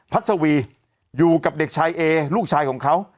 สวีอยู่กับเด็กชายเอลูกชายของเขา